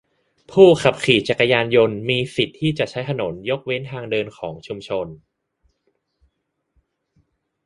ผู้ขับขี่จักรยานยนต์มีสิทธิ์ที่จะใช้ถนนยกเว้นทางเดินของชุมชน